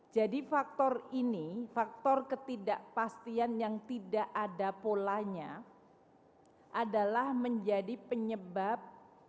jadi faktor ini faktor ketidakpastian yang tidak ada polanya adalah menjadi penyebab